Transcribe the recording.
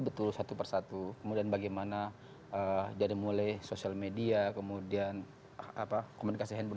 betul satu persatu kemudian bagaimana dari mulai sosial media kemudian apa komunikasi handphone